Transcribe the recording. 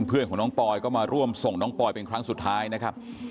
เพื่อนของน้องปอยก็มาร่วมส่งน้องปอยเป็นครั้งสุดท้ายนะครับ